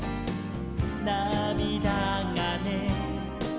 「なみだがね」